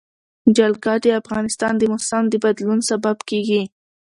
جلګه د افغانستان د موسم د بدلون سبب کېږي.